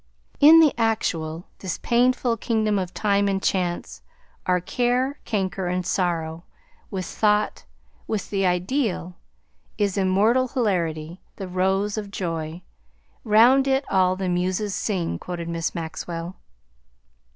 "'In the actual this painful kingdom of time and chance are Care, Canker, and Sorrow; with thought, with the Ideal, is immortal hilarity the rose of Joy; round it all the Muses sing,'" quoted Miss Maxwell.